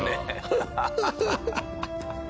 ハハハハハ。